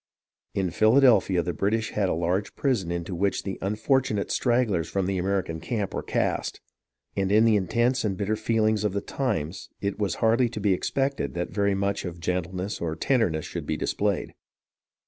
In Philadelphia the British had a large prison into which the unfortunate stragglers from the American camp were cast, and in the intense and bitter feelings of the times it was hardly to be expected that very much of gentleness or tenderness should be displayed.